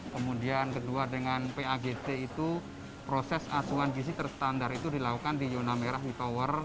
kemudian kedua dengan pagt itu proses asuhan gizi terstandar itu dilakukan di zona merah di tower